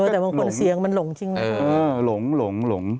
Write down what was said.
แต่บางคนเสียงมันหลงจริงนะหลง